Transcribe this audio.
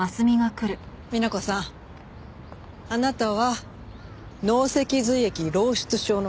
美奈子さんあなたは脳脊髄液漏出症の可能性があるわ。